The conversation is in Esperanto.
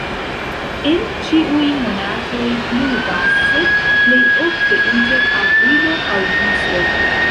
En ĉiuj monatoj pluvas, sed plej ofte inter aprilo-aŭgusto.